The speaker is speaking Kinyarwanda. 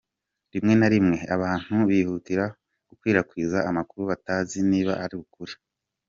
Rimwe na rimwe, abantu bihutira gukwirakwiza amakuru batazi niba ari ukuri.